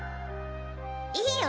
いいよ！